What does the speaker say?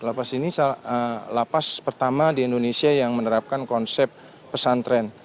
lapas ini lapas pertama di indonesia yang menerapkan konsep pesantren